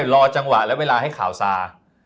รอจังหวะและเวลาให้ข่าวซา